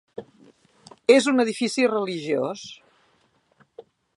És un edifici religiós.